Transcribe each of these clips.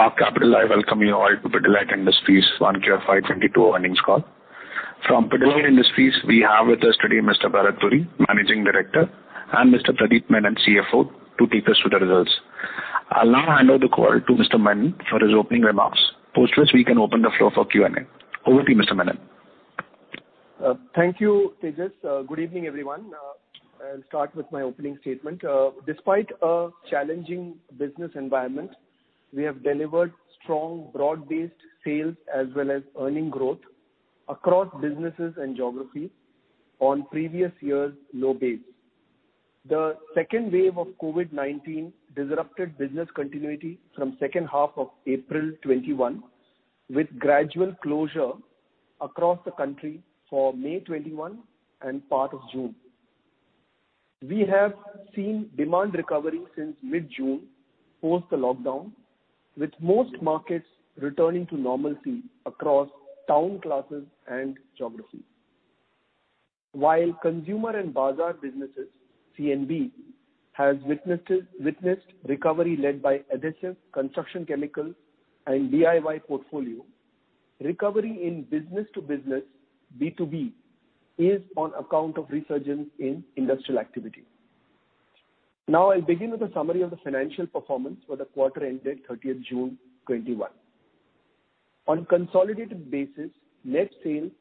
Spark Capital, I welcome you all to Pidilite Industries' 1Q FY 2022 Earnings Call. From Pidilite Industries, we have with us today Mr. Bharat Puri, Managing Director, and Mr. Pradip Menon, CFO, to take us through the results. I'll now hand over the call to Mr. Menon for his opening remarks, post which we can open the floor for Q&A. Over to you, Mr. Menon. Thank you, Tejas. Good evening, everyone. I'll start with my opening statement. Despite a challenging business environment, we have delivered strong broad-based sales as well as earning growth across businesses and geographies on previous years' low base. The second wave of COVID-19 disrupted business continuity from second half of April 2021, with gradual closure across the country for May 2021 and part of June. We have seen demand recovery since mid-June, post the lockdown, with most markets returning to normalcy across town classes and geographies. While consumer and bazaar businesses, C&B, has witnessed recovery led by adhesive, construction chemical, and DIY portfolio, recovery in business-to-business, B2B, is on account of resurgence in industrial activity. Now I'll begin with a summary of the financial performance for the quarter ended 30th June 2021. On consolidated basis, net sales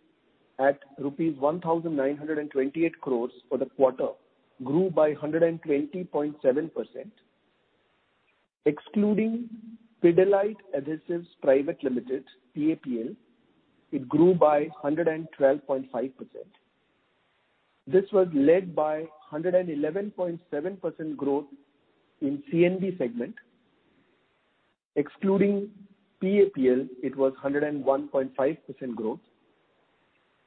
at rupees 1,928 crores for the quarter grew by 120.7%. Excluding Pidilite Adhesives Pvt Ltd, PAPL, it grew by 112.5%. This was led by 111.7% growth in C&B segment. Excluding PAPL, it was 101.5% growth,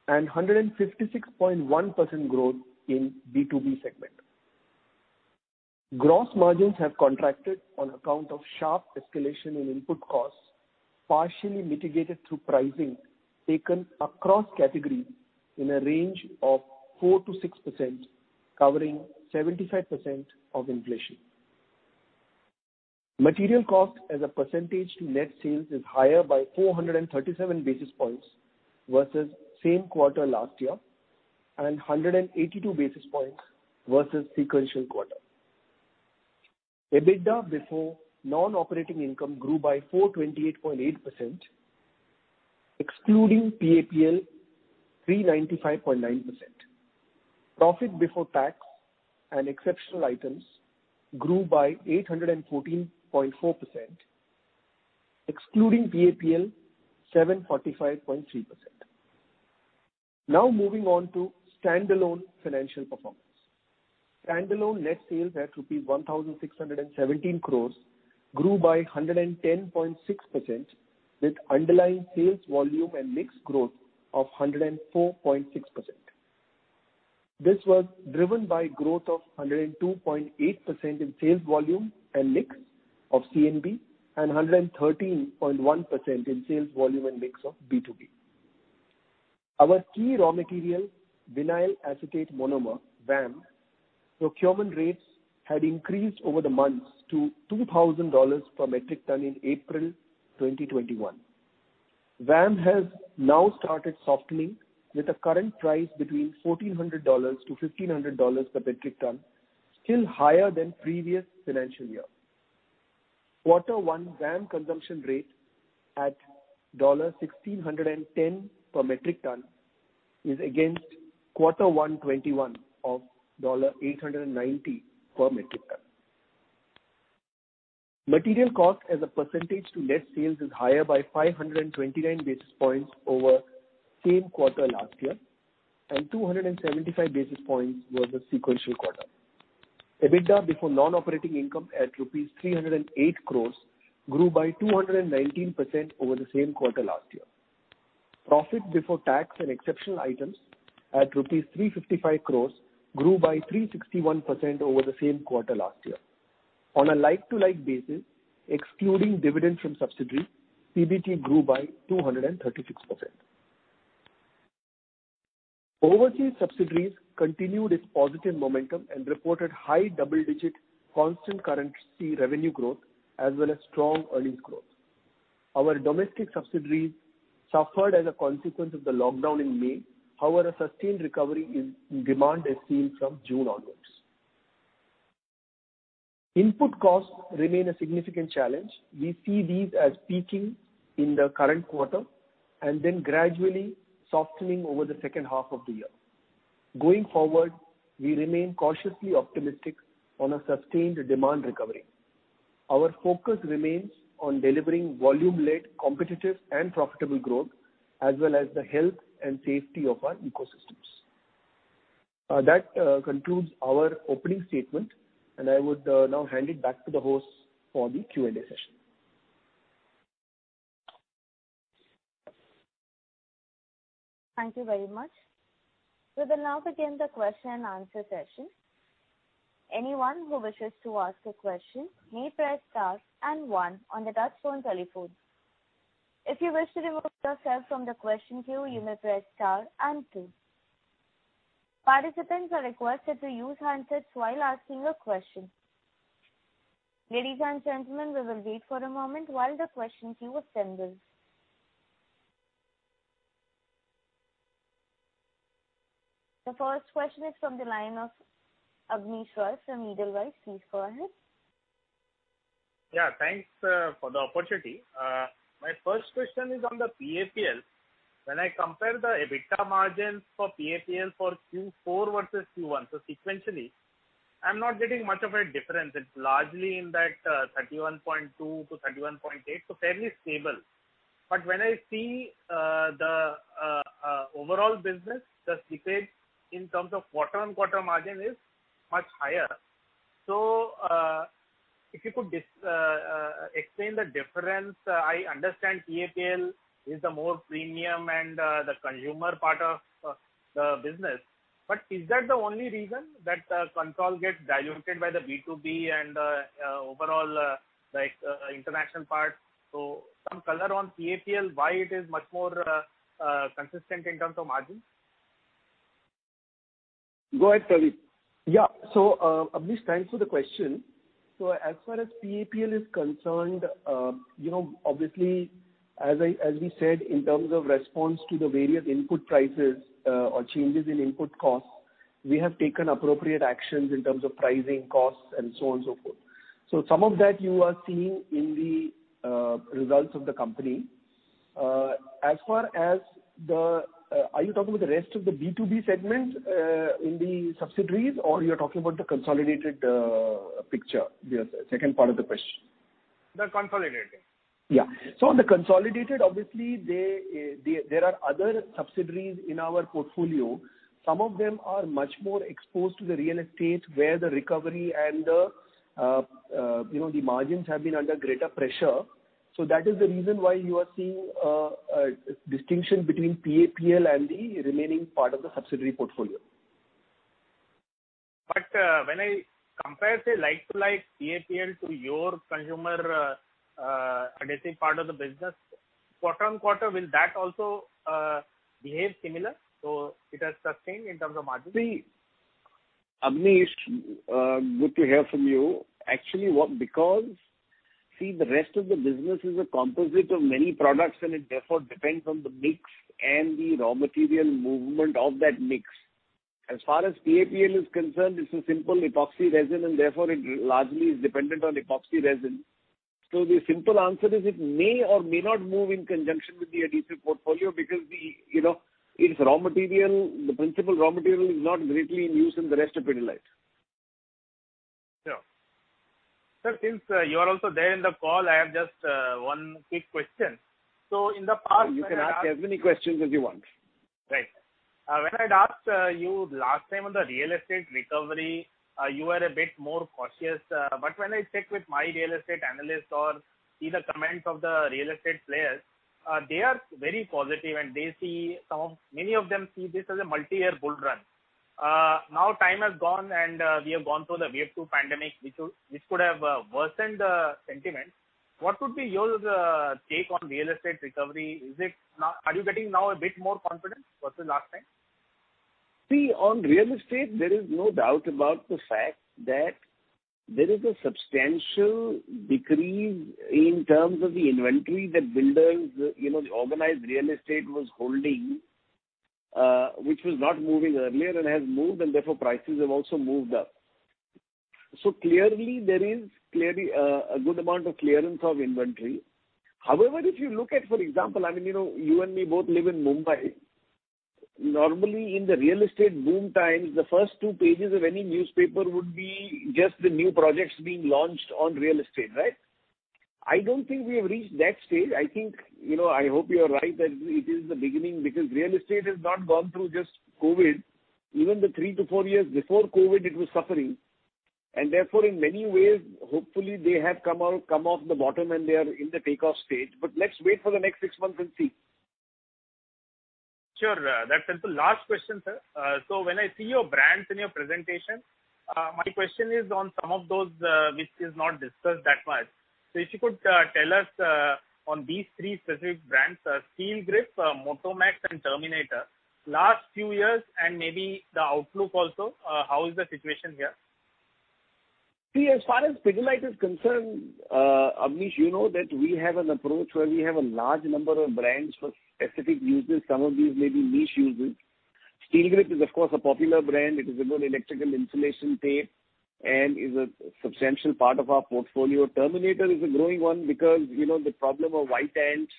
and 156.1% growth in B2B segment. Gross margins have contracted on account of sharp escalation in input costs, partially mitigated through pricing taken across categories in a range of 4%-6%, covering 75% of inflation. Material cost as a percentage to net sales is higher by 437 basis points versus same quarter last year, and 182 basis points versus sequential quarter. EBITDA before non-operating income grew by 428.8%, excluding PAPL, 395.9%. Profit before tax and exceptional items grew by 814.4%, excluding PAPL, 745.3%. Moving on to standalone financial performance. Standalone net sales at rupees 1,617 crores grew by 110.6% with underlying sales volume and mix growth of 104.6%. This was driven by growth of 102.8% in sales volume and mix of C&B and 113.1% in sales volume and mix of B2B. Our key raw material, Vinyl Acetate Monomer, VAM, procurement rates had increased over the months to $2,000 per metric ton in April 2021. VAM has now started softening with a current price between $1,400-$1,500 per metric ton, still higher than previous financial year. Quarter one VAM consumption rate at $1,610 per metric ton is against quarter one 2021 of $890 per metric ton. Material cost as a percentage to net sales is higher by 529 basis points over same quarter last year, and 275 basis points over the sequential quarter. EBITDA before non-operating income at INR 308 crore grew by 219% over the same quarter last year. Profit Before Tax and exceptional items at rupees 355 crores grew by 361% over the same quarter last year. On a like-to-like basis, excluding dividends from subsidiaries, PBT grew by 236%. Overseas subsidiaries continued its positive momentum and reported high double-digit constant currency revenue growth as well as strong earnings growth. Our domestic subsidiaries suffered as a consequence of the lockdown in May. Sustained recovery in demand is seen from June onwards. Input costs remain a significant challenge. We see these as peaking in the current quarter and then gradually softening over the second half of the year. Going forward, we remain cautiously optimistic on a sustained demand recovery. Our focus remains on delivering volume-led competitive and profitable growth, as well as the health and safety of our ecosystems. That concludes our opening statement. I would now hand it back to the host for the Q&A session. Thank you very much. We will now begin the question-and-answer session. Anyone who wishes to ask a question may press star and one on the dashboard telephone. If you wish to withdraw the question, you may press star and two. Participants are requested to use handsets while asking your question. Ladies and gentlemen, we will wait a moment for the questions you will send us. The first question is from the line of Abneesh Roy from Edelweiss. Please go ahead. Thanks for the opportunity. My first question is on the PAPL. When I compare the EBITDA margins for PAPL for Q4 versus Q1, so sequentially, I'm not getting much of a difference. It's largely in that 31.2%-31.8%, so fairly stable. When I see the overall business, the seepage in terms of quarter-on-quarter margin is much higher. If you could explain the difference. I understand PAPL is the more premium and the consumer part of the business. Is that the only reason that the control gets diluted by the B2B and overall international part? Some color on PAPL, why it is much more consistent in terms of margin? Go ahead, Pradip. Abneesh, thanks for the question. As far as PAPL is concerned, obviously, as we said, in terms of response to the various input prices or changes in input costs, we have taken appropriate actions in terms of pricing, costs, and so on and so forth. Some of that you are seeing in the results of the company. Are you talking about the rest of the B2B segment in the subsidiaries, or you're talking about the consolidated picture? The second part of the question. The consolidated. Yeah. On the consolidated, obviously, there are other subsidiaries in our portfolio. Some of them are much more exposed to the real estate, where the recovery and the margins have been under greater pressure. That is the reason why you are seeing a distinction between PAPL and the remaining part of the subsidiary portfolio. When I compare, say, like to like PAPL to your consumer adhesive part of the business, quarter-on-quarter, will that also behave similar? It has sustained in terms of margin? See, Abneesh, good to hear from you. Because the rest of the business is a composite of many products, and it therefore depends on the mix and the raw material movement of that mix. As far as PAPL is concerned, it's a simple epoxy resin, and therefore it largely is dependent on epoxy resin. The simple answer is it may or may not move in conjunction with the adhesive portfolio because its raw material, the principal raw material, is not greatly in use in the rest of Pidilite. Sure. Sir, since you are also there in the call, I have just one quick question. You can ask as many questions as you want. Right. When I'd asked you last time on the real estate recovery, you were a bit more cautious. When I check with my real estate analyst or see the comments of the real estate players, they are very positive, and many of them see this as a multi-year bull run. Time has gone, and we have gone through the wave two pandemic, which could have worsened the sentiment. What would be your take on real estate recovery? Are you getting now a bit more confident versus last time? See, on real estate, there is no doubt about the fact that there is a substantial decrease in terms of the inventory that builders, the organized real estate was holding, which was not moving earlier and has moved, and therefore prices have also moved up. Clearly, there is a good amount of clearance of inventory. If you look at, for example, you and me both live in Mumbai. Normally, in the real estate boom times, the first two pages of any newspaper would be just the new projects being launched on real estate, right? I don't think we have reached that stage. I hope you're right that it is the beginning because real estate has not gone through just COVID. Even the three-four years before COVID, it was suffering. Therefore, in many ways, hopefully they have come off the bottom and they are in the takeoff stage. Let's wait for the next six months and see. Sure. That's it. The last question, Sir. When I see your brands in your presentation, my question is on some of those which is not discussed that much. If you could tell us on these three specific brands, Steelgrip, Motomax, and Terminator, last few years and maybe the outlook also, how is the situation here? As far as Pidilite is concerned, Abneesh, you know that we have an approach where we have a large number of brands for specific uses. Some of these may be niche uses. Steelgrip is, of course, a popular brand. It is a good electrical insulation tape and is a substantial part of our portfolio. Terminator is a growing one because the problem of white ants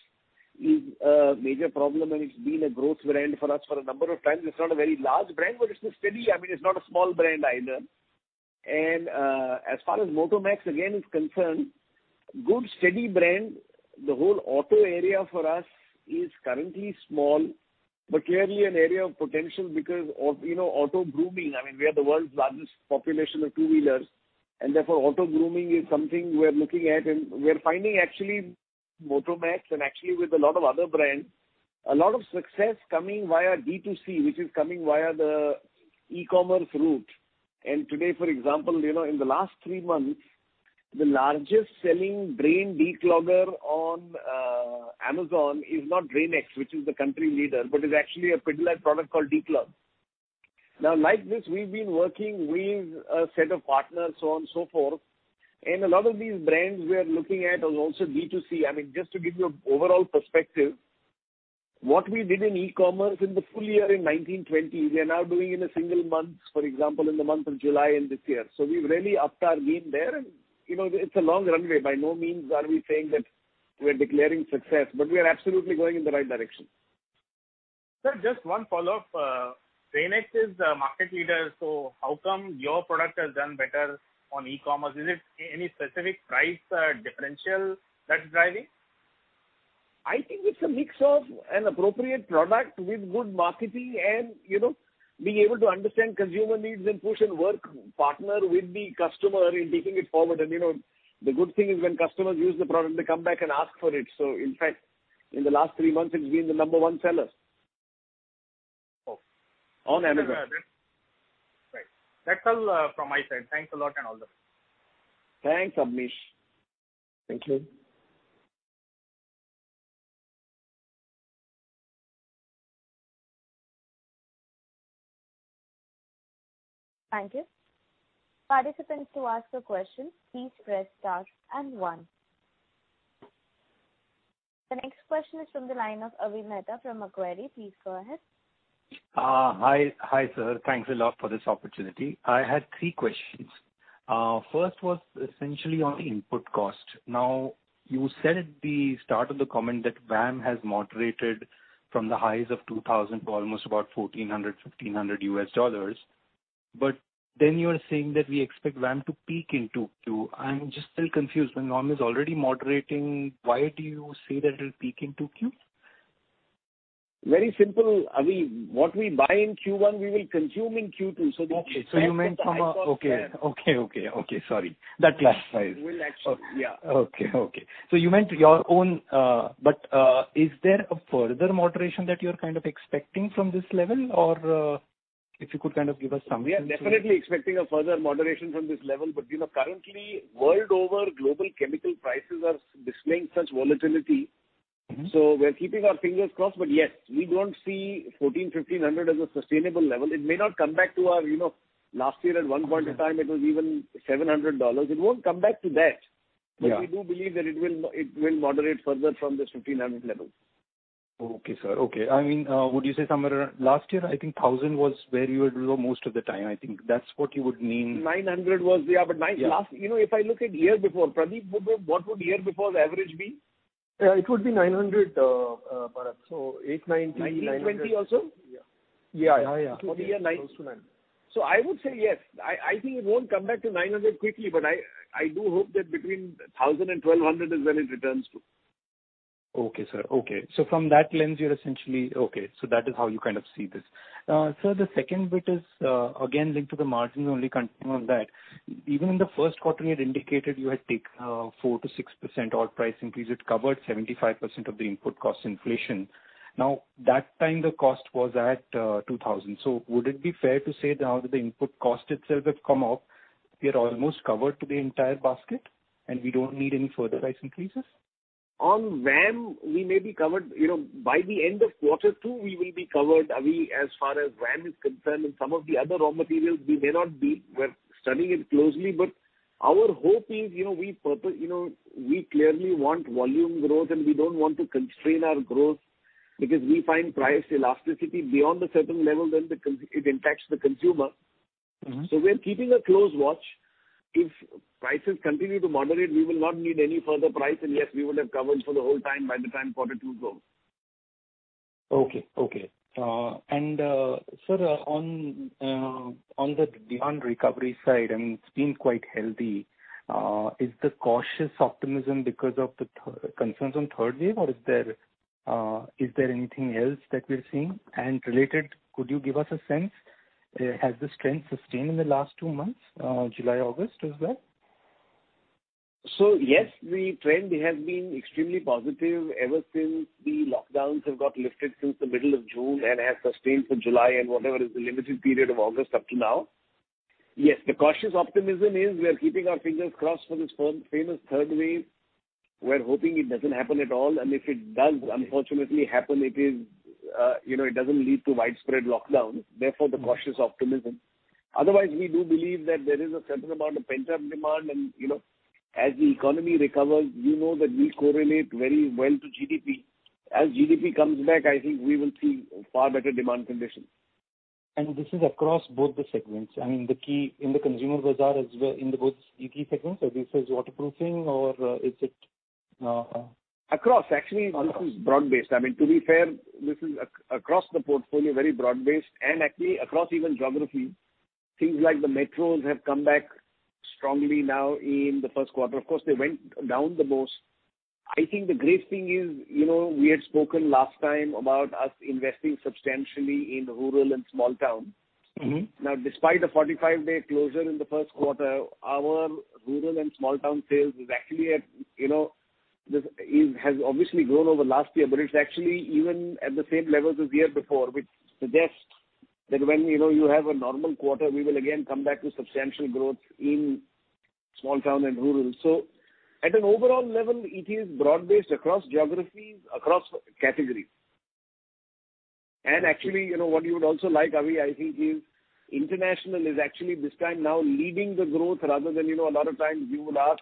is a major problem, and it's been a growth brand for us for a number of times. It's not a very large brand, but it's a steady, I mean, it's not a small brand either. As far as Motomax again is concerned, good, steady brand. The whole auto area for us is currently small, but clearly an area of potential because auto grooming, I mean, we are the world's largest population of two-wheelers, and therefore auto grooming is something we're looking at. We're finding actually Motomax and actually with a lot of other brands, a lot of success coming via D2C, which is coming via the e-commerce route. Today, for example, in the last three months. The largest selling drain de-clogger on Amazon is not Dranex, which is the country leader, but is actually a Pidilite product called D-Klog. Like this, we've been working with a set of partners, so on so forth, and a lot of these brands we are looking at are also D2C. Just to give you an overall perspective, what we did in e-commerce in the full year in 2019-2020, we are now doing in a single month, for example, in the month of July in this year. We've really upped our game there, and it's a long runway. By no means are we saying that we're declaring success, but we are absolutely going in the right direction. Sir, just one follow-up. Dranex is a market leader, how come your product has done better on e-commerce? Is it any specific price differential that's driving? I think it's a mix of an appropriate product with good marketing and being able to understand consumer needs and push and work, partner with the customer in taking it forward. The good thing is when customers use the product, they come back and ask for it. In fact, in the last three months it's been the number one seller- Oh. On Amazon. Right. That's all from my side. Thanks a lot and all the best. Thanks, Abneesh. Thank you. Thank you. Participants who ask a question, please press star and one. The next question is from the line of Avi Mehta from Macquarie. Please go ahead. Hi, Sir. Thanks a lot for this opportunity. I had three questions. First was essentially on input cost. You said at the start of the comment that VAM has moderated from the highs of $2,000 to almost about $1,400-$1,500, but then you are saying that we expect VAM to peak in Q2. I'm just still confused. When VAM is already moderating, why do you say that it'll peak in Q2? Very simple. Avi, what we buy in Q1, we will consume in Q2. Okay. The impact of the price of VAM. Okay. Sorry. That clarifies. Will actually. Yeah. Okay. You meant your own, but is there a further moderation that you're kind of expecting from this level? If you could kind of give us some hints there. We are definitely expecting a further moderation from this level, but currently, world over, global chemical prices are displaying such volatility. We're keeping our fingers crossed. Yes, we don't see $1,400, $1,500 as a sustainable level. It may not come back. Last year at one point in time, it was even $700. It won't come back to that. Yeah. We do believe that it will moderate further from this $1,500 level. Okay, Sir. Would you say somewhere around, last year, I think $1,000 was where you were below most of the time. I think that's what you would mean. $900 was, yeah. Yeah. If I look at year before, Pradip, what would year before's average be? Yeah, it would be $900, Bharat. $890-$900. $1920 also? Yeah. Yeah. For the year $900. Close to $900. I would say yes. I think it won't come back to $900 quickly, but I do hope that between $1,000 and $1,200 is where it returns to. Okay, Sir. From that lens, you're essentially that is how you kind of see this. Sir, the second bit is, again, linked to the margins, only continuing on that. Even in the first quarter, you had indicated you had take 4%-6% odd price increase. It covered 75% of the input cost inflation. Now, that time the cost was at $2,000. Would it be fair to say now that the input cost itself has come off, we are almost covered to the entire basket, and we don't need any further price increases? On VAM, we may be covered. By the end of quarter two, we will be covered, Avi, as far as VAM is concerned, and some of the other raw materials we may not be. We're studying it closely. Our hope is, we clearly want volume growth, and we don't want to constrain our growth because we find price elasticity beyond a certain level, then it impacts the consumer. We're keeping a close watch. If prices continue to moderate, we will not need any further price, and yes, we would have covered for the whole time by the time quarter two goes. Okay. Sir, on the demand recovery side, and it's been quite healthy, is the cautious optimism because of the concerns on third wave, or is there anything else that we're seeing? Related, could you give us a sense, has the strength sustained in the last two months, July, August, is that? Yes, the trend has been extremely positive ever since the lockdowns have got lifted since the middle of June and has sustained for July and whatever is the limited period of August up to now. Yes. The cautious optimism is we are keeping our fingers crossed for this famous third wave. We're hoping it doesn't happen at all, and if it does, unfortunately happen, it doesn't lead to widespread lockdowns, therefore, the cautious optimism. We do believe that there is a certain amount of pent-up demand, and as the economy recovers, you know that we correlate very well to GDP. As GDP comes back, I think we will see far better demand conditions. This is across both the segments, in the consumer bazaar as well in the both ET segments, or this is waterproofing, or is it? Across. Across. This is broad based. To be fair, this is across the portfolio, very broad based, and actually across even geography. Things like the metros have come back strongly now in the first quarter. Of course, they went down the most. I think the great thing is, we had spoken last time about us investing substantially in rural and small town. Despite a 45-day closure in the first quarter, our rural and small town sales has obviously grown over last year, but it's actually even at the same levels as year before, which suggests that when you have a normal quarter, we will again come back to substantial growth in small town and rural. At an overall level, it is broad-based across geographies, across categories. What you would also like, Avi, I think is international is actually this time now leading the growth rather than, a lot of times you would ask: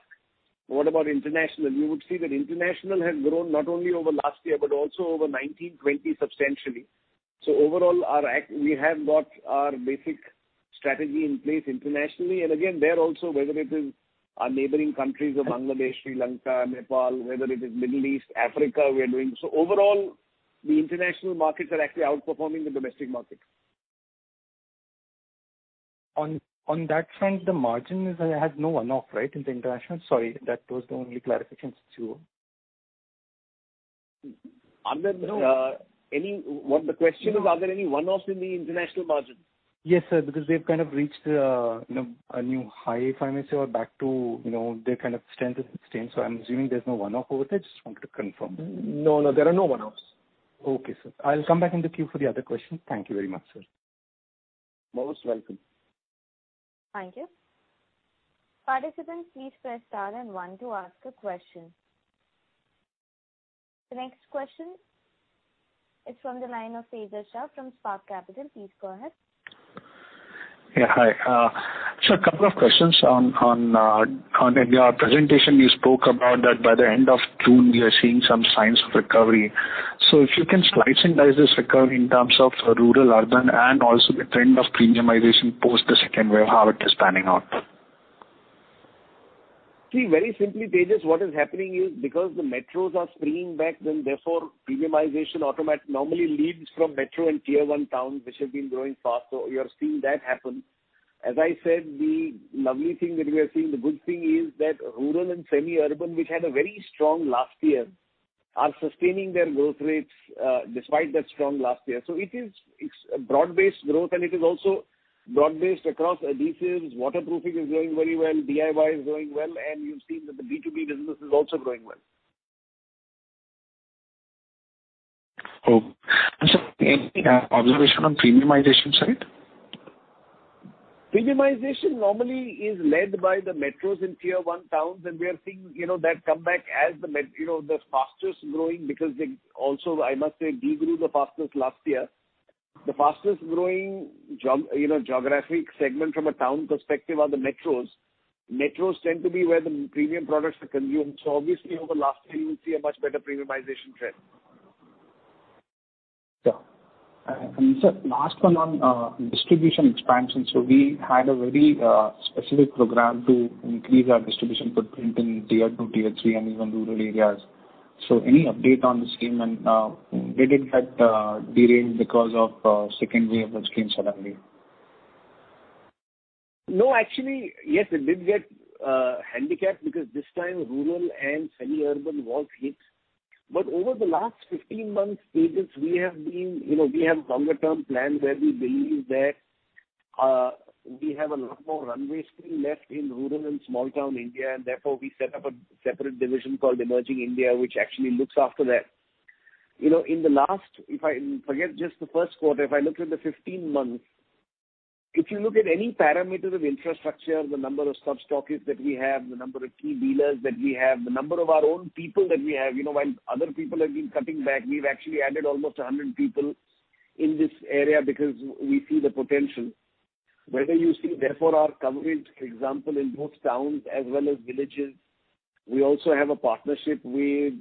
"What about international?" You would see that international has grown not only over last year, but also over 2019, 2020 substantially. Overall, we have got our basic strategy in place internationally, and again, there also, whether it is our neighboring countries of Bangladesh, Sri Lanka, Nepal, whether it is Middle East, Africa, we are doing. Overall, the international markets are actually outperforming the domestic markets. On that front, the margin had no one-off, right, in the international? Sorry, that was the only clarification. The question is, are there any one-offs in the international margin? Yes, Sir, they've kind of reached a new high, if I may say, or back to their kind of strength has sustained. I'm assuming there's no one-off over there. Just wanted to confirm. No, no. There are no one-offs. Okay, Sir. I'll come back in the queue for the other question. Thank you very much, Sir. Most welcome. Thank you. Participants, please press star and one to ask a question. The next question is from the line of Tejas Shah from Spark Capital. Please go ahead. Yeah, hi. Sir, a couple of questions. On your presentation, you spoke about that by the end of June, we are seeing some signs of recovery. If you can slice and dice this recovery in terms of rural, urban, and also the trend of premiumization post the second wave, how it is panning out? Very simply, Tejas, what is happening is because the metros are springing back, therefore premiumization automatically normally leads from metro and tier one towns which have been growing fast. You are seeing that happen. As I said, the lovely thing that we are seeing, the good thing is that rural and semi-urban, which had a very strong last year, are sustaining their growth rates despite that strong last year. It's a broad-based growth, it is also broad-based across adhesives. Waterproofing is doing very well, DIY is doing well, you've seen that the B2B business is also doing well. Okay. Sir, any observation on premiumization side? Premiumization normally is led by the metros and tier one towns, and we are seeing that come back as the fastest growing because they also, I must say, de-grew the fastest last year. The fastest growing geographic segment from a town perspective are the metros. Metros tend to be where the premium products are consumed. Obviously over last year, you will see a much better premiumization trend. Sure. Sir, last one on distribution expansion. We had a very specific program to increase our distribution footprint in tier two, tier three, and even rural areas. Any update on the scheme, and did it get deranged because of second wave which came suddenly? No, actually, yes, it did get handicapped because this time rural and semi-urban was hit. Over the last 15 months, Tejas Shah, we have longer term plans where we believe that we have a lot more runway still left in rural and small town India, and therefore we set up a separate division called Emerging India, which actually looks after that. Forget just the first quarter, if I look at the 15 months, if you look at any parameter of infrastructure, the number of sub-stockists that we have, the number of key dealers that we have, the number of our own people that we have. While other people have been cutting back, we've actually added almost 100 people in this area because we see the potential. Whether you see, therefore, our coverage, for example, in both towns as well as villages. We also have a partnership with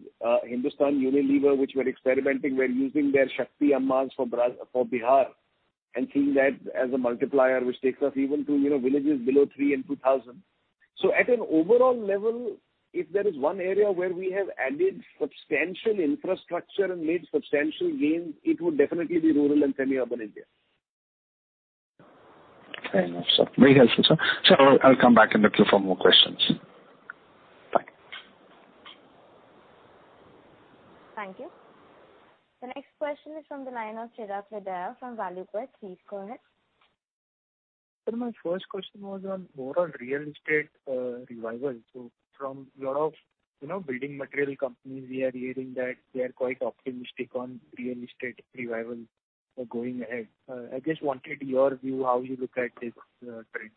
Hindustan Unilever, which we're experimenting. We're using their Shakti Ammas for Bihar and seeing that as a multiplier, which takes us even to villages below three and 2,000. At an overall level, if there is one area where we have added substantial infrastructure and made substantial gains, it would definitely be rural and semi-urban India. Fair enough, Sir. Very helpful, Sir. Sir, I'll come back in the queue for more questions. Bye. Thank you. The next question is from the line of Chirag Lodaya from Valuequest. Please go ahead. Sir, my first question was on more on real estate revival. From lot of building material companies, we are hearing that they are quite optimistic on real estate revival going ahead. I just wanted your view, how you look at this trend.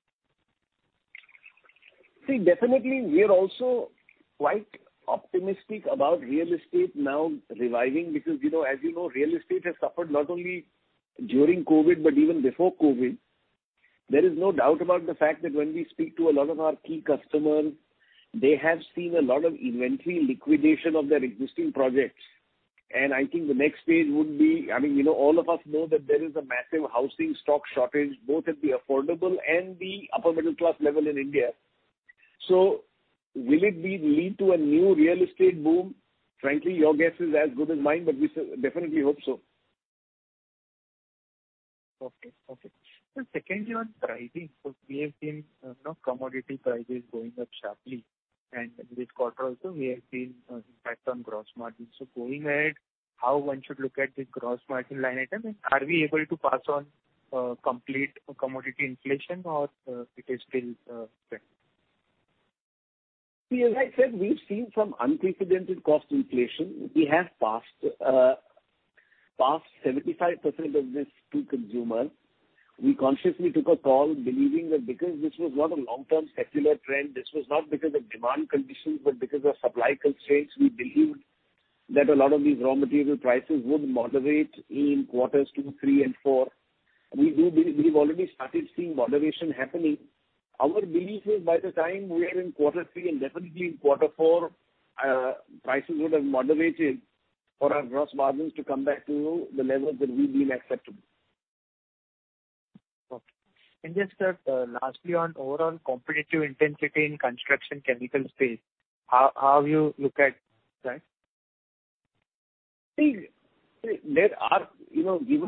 Definitely we are also quite optimistic about real estate now reviving because as you know, real estate has suffered not only during COVID, but even before COVID. There is no doubt about the fact that when we speak to a lot of our key customers, they have seen a lot of inventory liquidation of their existing projects. I think the next phase would be, all of us know that there is a massive housing stock shortage, both at the affordable and the upper middle class level in India. Will it lead to a new real estate boom? Frankly, your guess is as good as mine, but we definitely hope so. Okay. Sir, secondly, on pricing. We have seen commodity prices going up sharply, and this quarter also we have seen impact on gross margin. Going ahead, how one should look at this gross margin line item, and are we able to pass on complete commodity inflation, or it is still pending? As I said, we've seen some unprecedented cost inflation. We have passed 75% of this to consumers. We consciously took a call believing that because this was not a long-term secular trend, this was not because of demand conditions, but because of supply constraints. We believed that a lot of these raw material prices would moderate in quarters two, three and four. We've already started seeing moderation happening. Our belief is by the time we are in quarter three and definitely in quarter four, prices would have moderated for our gross margins to come back to the levels that we deem acceptable. Okay. Just, Sir, lastly, on overall competitive intensity in construction chemical space, how you look at that? Given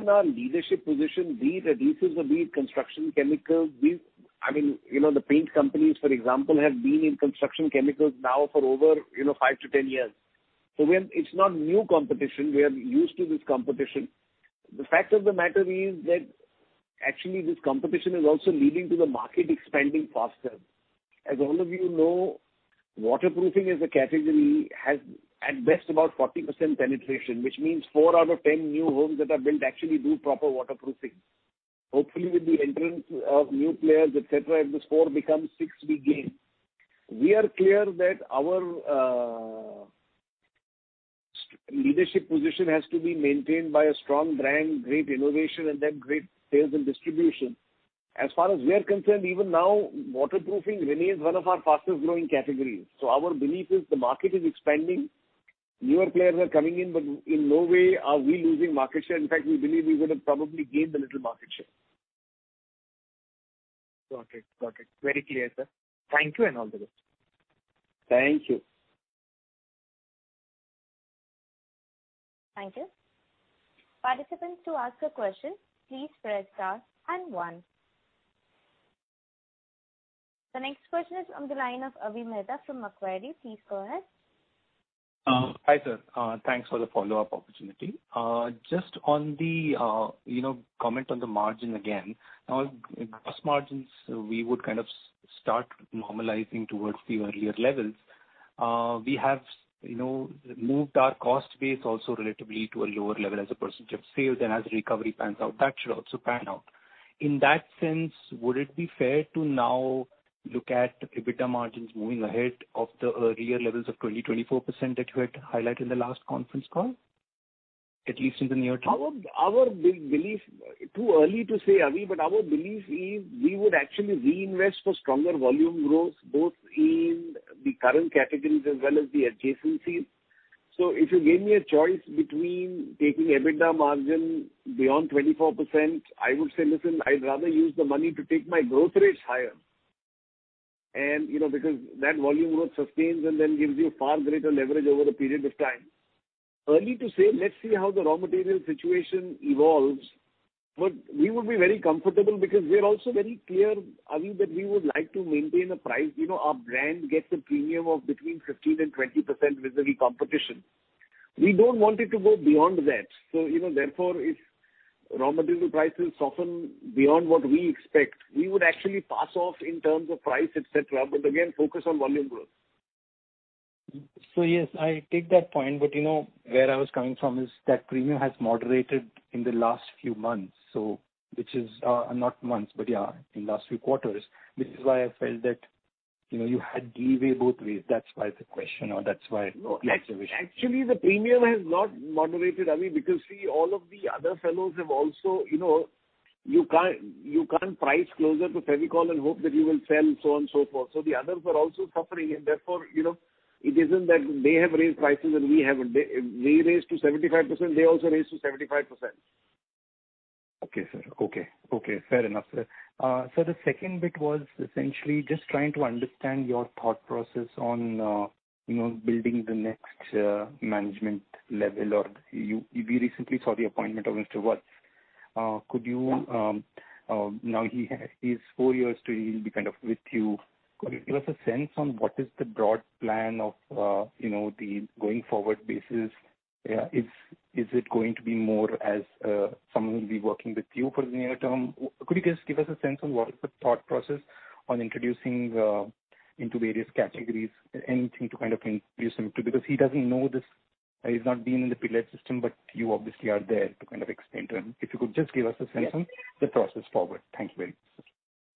our leadership position, be it adhesives or be it construction chemicals, the paint companies, for example, have been in construction chemicals now for over 5-10 years. It's not new competition. We are used to this competition. The fact of the matter is that actually this competition is also leading to the market expanding faster. As all of you know, waterproofing as a category has, at best, about 40% penetration, which means four out of 10 new homes that are built actually do proper waterproofing. Hopefully, with the entrance of new players, et cetera, if this four becomes six, we gain. We are clear that our leadership position has to be maintained by a strong brand, great innovation, and then great sales and distribution. As far as we are concerned, even now, waterproofing remains one of our fastest growing categories. Our belief is the market is expanding. Newer players are coming in, but in no way are we losing market share. In fact, we believe we would have probably gained a little market share. Okay. Very clear, Sir. Thank you, and all the best. Thank you. Thank you. Participants, to ask a question, please press star and one. The next question is on the line of Avi Mehta from Macquarie. Please go ahead. Hi, Sir. Thanks for the follow-up opportunity. Just on the comment on the margin again. Now, gross margins, we would kind of start normalizing towards the earlier levels. We have moved our cost base also relatively to a lower level as a percentage of sales. As recovery pans out, that should also pan out. In that sense, would it be fair to now look at the EBITDA margins moving ahead of the earlier levels of 20%-24% that you had highlighted in the last conference call, at least in the near term? Too early to say, Avi, our belief is we would actually reinvest for stronger volume growth, both in the current categories as well as the adjacencies. If you gave me a choice between taking EBITDA margin beyond 24%, I would say, "Listen, I'd rather use the money to take my growth rates higher." Because that volume growth sustains and gives you far greater leverage over a period of time. Early to say. Let's see how the raw material situation evolves. We would be very comfortable because we're also very clear, Avi, that we would like to maintain a price. Our brand gets a premium of between 15% and 20% with the competition. We don't want it to go beyond that. Therefore, if raw material prices soften beyond what we expect, we would actually pass off in terms of price, et cetera, but again, focus on volume growth. Yes, I take that point. Where I was coming from is that premium has moderated in the last few months. Not months, but yeah, in last few quarters. Which is why I felt that you had leeway both ways. That's why the question. Actually, the premium has not moderated, Avi, because, see, all of the other fellows have also. You can't price closer to Fevicol and hope that you will sell and so on and so forth. The others are also suffering and therefore, it isn't that they have raised prices and we haven't. We raised to 75%, they also raised to 75%. Okay, Sir. Fair enough, Sir. Sir, the second bit was essentially just trying to understand your thought process on building the next management level. We recently saw the appointment of Mr. Vats. Yeah. Now he's four years to he'll be kind of with you. Could you give us a sense on what is the broad plan of the going forward basis? Is it going to be more as someone who'll be working with you for the near term? Could you just give us a sense on what is the thought process on introducing into various categories? Anything to kind of introduce him to? Because he's not been in the Pidilite system, but you obviously are there to kind of explain to him. If you could just give us a sense- Yeah. On the process forward? Thank you very much.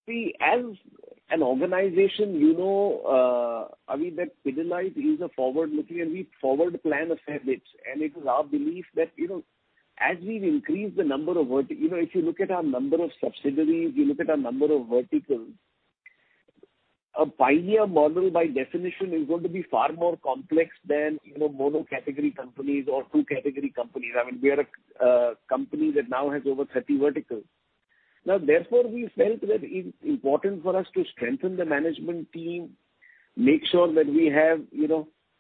See, as an organization, Avi, that Pidilite is a forward-looking and we forward plan a fair bit. It is our belief that as we increase the number of If you look at our number of subsidiaries, you look at our number of verticals. A pioneer model by definition is going to be far more complex than mono-category companies or two-category companies. We are a company that now has over 30 verticals. Therefore, we felt that it's important for us to strengthen the management team, make sure that we have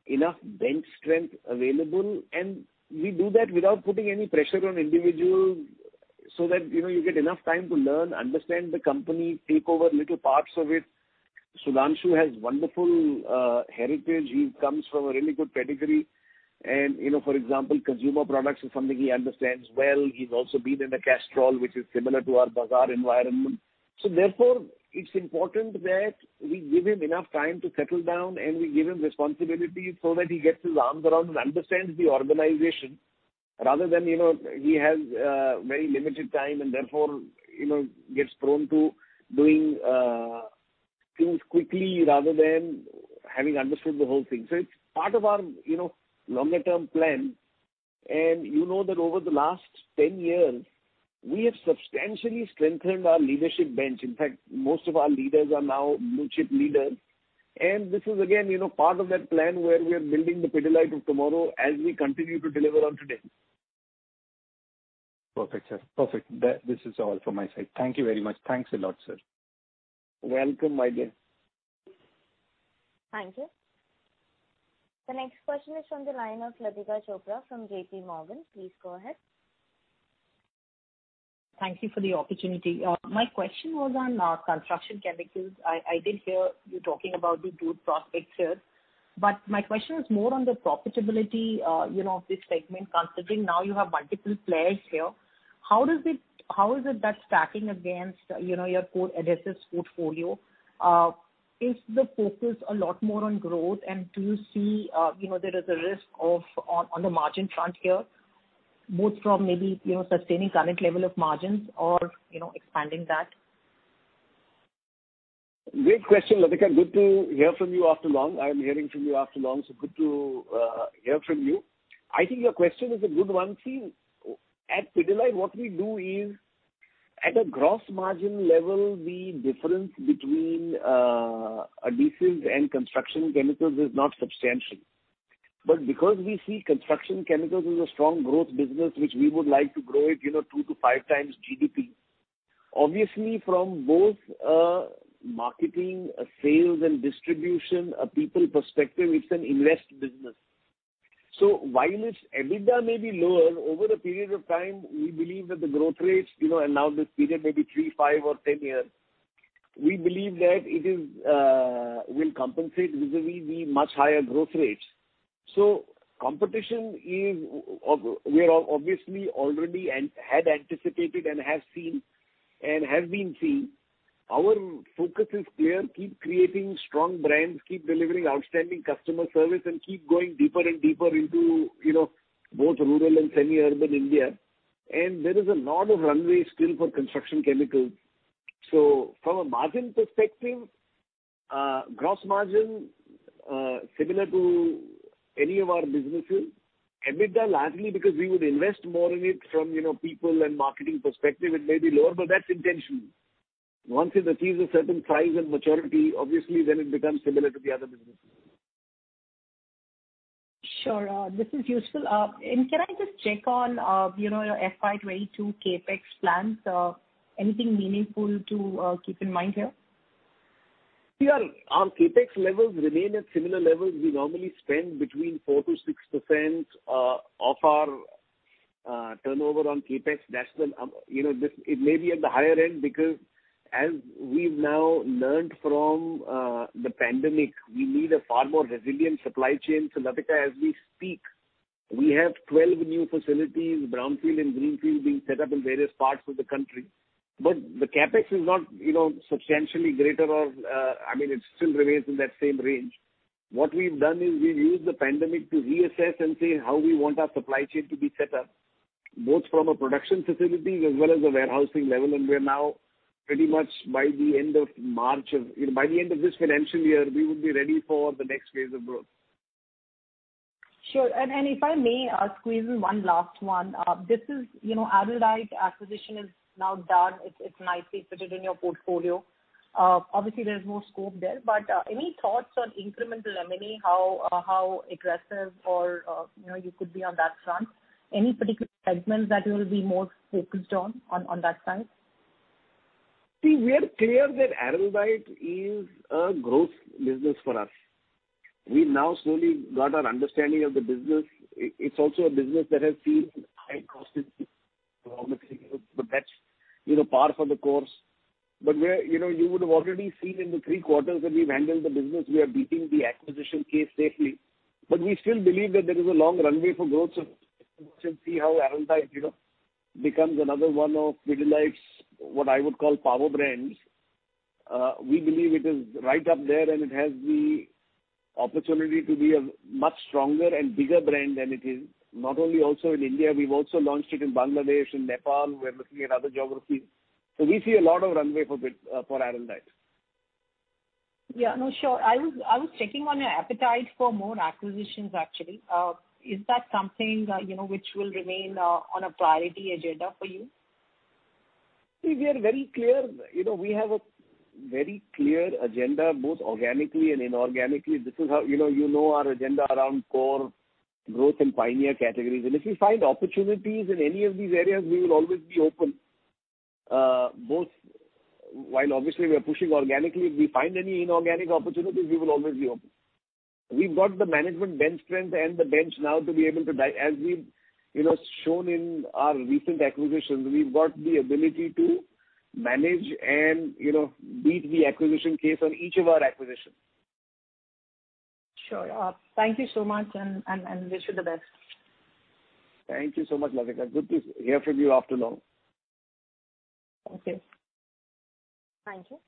enough bench strength available, and we do that without putting any pressure on individuals so that you get enough time to learn, understand the company, take over little parts of it. Sudhanshu has wonderful heritage. He comes from a really good pedigree. And for example, consumer products is something he understands well. He's also been in a Castrol, which is similar to our bazaar environment. Therefore, it's important that we give him enough time to settle down, and we give him responsibility so that he gets his arms around and understands the organization, rather than he has a very limited time and therefore, gets prone to doing things quickly rather than having understood the whole thing. It's part of our longer-term plan. You know that over the last 10 years, we have substantially strengthened our leadership bench. In fact, most of our leaders are now blue-chip leaders. This is again, part of that plan where we are building the Pidilite of tomorrow as we continue to deliver on today. Perfect, Sir. Perfect. This is all from my side. Thank you very much. Thanks a lot, Sir. Welcome, my dear. Thank you. The next question is from the line of Latika Chopra from JPMorgan. Please go ahead. Thank you for the opportunity. My question was on our construction chemicals. I did hear you talking about the good prospects here, but my question is more on the profitability of this segment, considering now you have multiple players here. How is it that stacking against your core adhesives portfolio? Is the focus a lot more on growth, and do you see there is a risk on the margin front here, both from maybe sustaining current level of margins or expanding that? Great question, Latika. Good to hear from you after long. I'm hearing from you after long, good to hear from you. I think your question is a good one. At Pidilite, what we do is, at a gross margin level, the difference between adhesives and construction chemicals is not substantial. Because we see construction chemicals as a strong growth business, which we would like to grow it 2x-5x times GDP. Obviously, from both a marketing, a sales, and distribution, a people perspective, it's an invest business. While its EBITDA may be lower, over a period of time, we believe that the growth rates, and now this period may be three, five, or 10 years. We believe that it will compensate vis-a-vis the much higher growth rates. We are obviously already had anticipated and have seen and have been seeing. Our focus is clear, keep creating strong brands, keep delivering outstanding customer service, and keep going deeper and deeper into both rural and semi-urban India. There is a lot of runway still for construction chemicals. From a margin perspective, gross margin, similar to any of our businesses. EBITDA, largely because we would invest more in it from people and marketing perspective, it may be lower, but that's intentional. Once it achieves a certain size and maturity, obviously then it becomes similar to the other businesses. Sure. This is useful. Can I just check on your FY 2022 CapEx plans? Anything meaningful to keep in mind here? Our CapEx levels remain at similar levels. We normally spend between 4%-6% of our turnover on CapEx. It may be at the higher end because as we've now learned from the pandemic, we need a far more resilient supply chain. Latika, as we speak, we have 12 new facilities, brownfield and greenfield, being set up in various parts of the country. The CapEx is not substantially greater. It still remains in that same range. What we've done is we've used the pandemic to reassess and say how we want our supply chain to be set up, both from a production facilities as well as a warehousing level, and we're now pretty much by the end of March, by the end of this financial year, we would be ready for the next phase of growth. Sure. If I may squeeze in one last one. Araldite acquisition is now done. It is nicely fitted in your portfolio. Obviously, there is more scope there, but any thoughts on incremental M&A, how aggressive you could be on that front? Any particular segments that you will be more focused on that side? We are clear that Araldite is a growth business for us. We now slowly got an understanding of the business. It's also a business that has seen high costs, obviously, but that's par for the course. You would have already seen in the three quarters that we've handled the business, we are beating the acquisition case safely. We still believe that there is a long runway for growth, watch and see how Araldite becomes another one of Pidilite's, what I would call power brands. We believe it is right up there, and it has the opportunity to be a much stronger and bigger brand than it is. Not only also in India, we've also launched it in Bangladesh, in Nepal. We're looking at other geographies. We see a lot of runway for Araldite. Yeah, no, sure. I was checking on your appetite for more acquisitions, actually. Is that something which will remain on a priority agenda for you? See, we are very clear. We have a very clear agenda, both organically and inorganically. You know our agenda around core growth in pioneer categories. If we find opportunities in any of these areas, we will always be open. Both while obviously we are pushing organically, if we find any inorganic opportunities, we will always be open. We've got the management bench strength and the bench now to be able to, as we've shown in our recent acquisitions, manage and beat the acquisition case on each of our acquisitions. Sure. Thank you so much, and wish you the best. Thank you so much, Latika. Good to hear from you after long. Okay. Thank you.